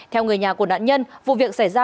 theo người nhà của nạn nhân vụ việc xảy ra